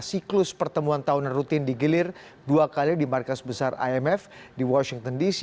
siklus pertemuan tahunan rutin digilir dua kali di markas besar imf di washington dc